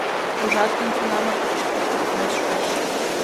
— Ужат гын, тунамак кочкын колтымет шуэш.